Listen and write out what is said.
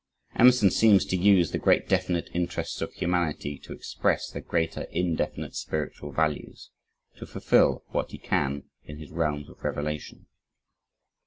Emerson seems to use the great definite interests of humanity to express the greater, indefinite, spiritual values to fulfill what he can in his realms of revelation.